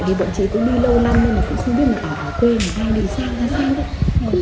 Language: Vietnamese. tại vì bọn chị cũng đi lâu lăn nên là cũng không biết là ở quê này hay bị sao ra sao